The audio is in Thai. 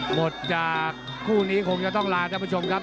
หมดจากคู่นี้คงจะต้องลาท่านผู้ชมครับ